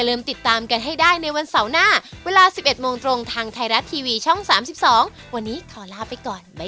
โปรดติดตามตอนต่อไป